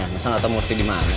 masa gak tau murthy dimana